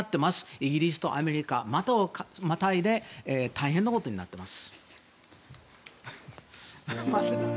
イギリスとアメリカをまたいで大変なことになっています。